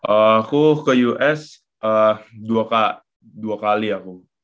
aku ke us dua kali aku